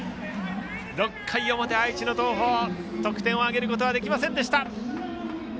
６回表、愛知の東邦得点を挙げることはできませんでした。